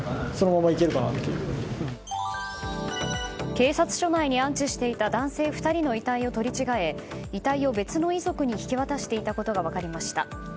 警察署内に安置していた男性２人の遺体を取り違え遺体を別の遺族に引き渡していたことが分かりました。